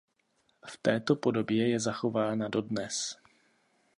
V této podobě je zachována dodnes.